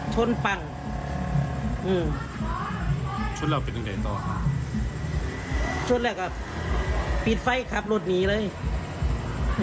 ชนปังอืมชุดแล้วก็ปิดไฟคับรถนี้เลยอืม